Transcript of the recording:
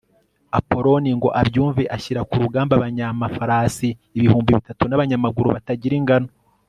apoloni ngo abyumve, ashyira ku rugamba abanyamafarasi ibihumbi bitatu n'abanyamaguru batagira ingano